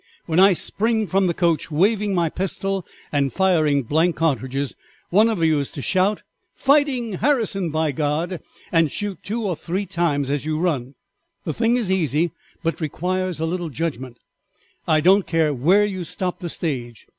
When I spring from the coach waving my pistol and firing blank cartridges, one of you is to shout, 'Fighting Harrison, by God!' and shoot two or three times as you run. The thing is easy, but requires a little judgment. I do not care where you stop the stage.